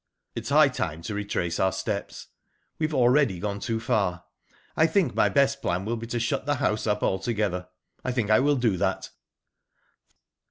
"It is high time to retrace our steps. We have already gone too far. I think my best plan will be to shut the house up altogether. I think I will do that."